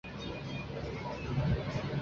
据琴曲解析为南宋郭楚望所作。